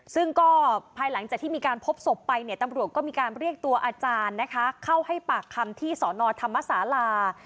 ซึ่งก็ภายหลังจากที่มีการพบศพไปเนี่ยตำรวจก็มีการเรียกตัวอาจารย์นะคะเข้าให้ปากคำที่สอนอธรรมศาลา